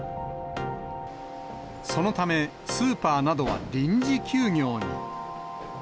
そのため、スーパーなどは臨時休業に。